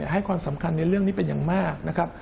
ให้ความสำคัญในเรื่องนี้เป็นอย่างมากนะครับ